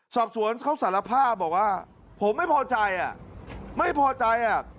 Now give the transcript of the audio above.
สอบสวนเขาสารภาพบอกว่าผมไม่พอใจอ่ะไม่พอใจอ่ะ